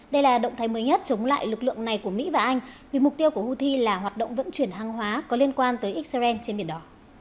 đây là động thái mới nhất chống lại lực lượng này của mỹ và anh vì mục tiêu của houthi là hoạt động vận chuyển hàng hóa có liên quan tới israel trên biển đỏ